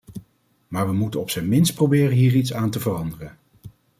Maar we moeten op zijn minst proberen hier iets aan te veranderen.